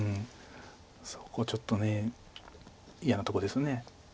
そこちょっと嫌なとこです。